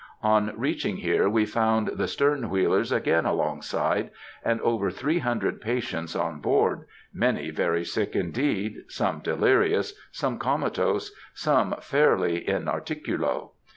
On reaching here we found the "stern wheelers" again along side, and over three hundred patients on board; many very sick indeed, some delirious, some comatose, some fairly in articulo.